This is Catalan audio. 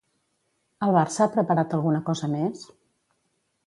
El Barça ha preparat alguna cosa més?